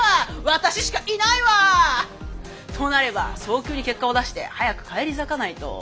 私しかいないわ！となれば早急に結果を出して早く返り咲かないと！